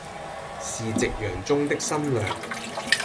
是夕陽中的新娘